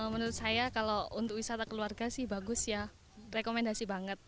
menurut saya kalau untuk wisata keluarga sih bagus ya rekomendasi banget